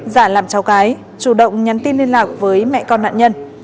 giả làm cháu gái chủ động nhắn tin liên lạc với mẹ con nạn nhân